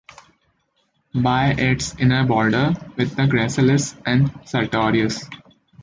By its inner border with the gracilis and sartorius.